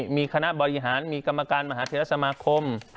มีคณะบริหารมีกรรมการมหาเทศสมาคม